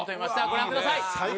ご覧ください！